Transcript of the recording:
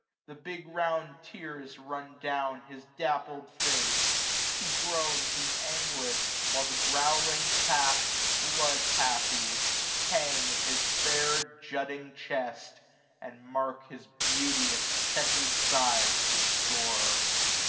The big round tears run down his dappled face ; He groans in anguish ; while the growling pack, 455 Blood happy, hang at his fair jutting chest. And mark his beauteous checkered sides with gore.